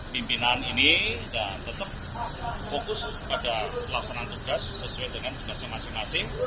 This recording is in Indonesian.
pimpinan ini dan tetap fokus pada pelaksanaan tugas sesuai dengan tugasnya masing masing